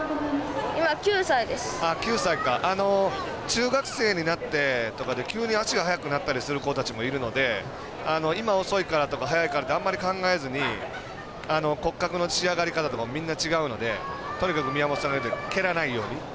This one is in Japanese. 中学生になってとかで急に足が速くなったりする子もいるので今、遅いからとか速いからってあんまり考えずに骨格の仕上がり方とかがみんな違うので蹴らないように。